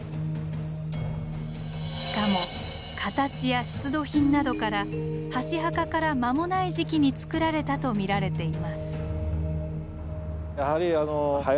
しかも形や出土品などから箸墓から間もない時期につくられたと見られています。